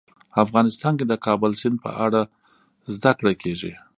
افغانستان کې د کابل سیند په اړه زده کړه کېږي.